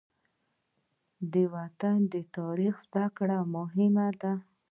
د وطن د تاریخ زده کړه مهمه ده.